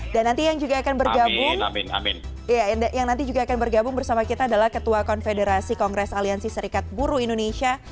dan nanti yang juga akan bergabung bersama kita adalah ketua konfederasi kongres aliansi serikat buru indonesia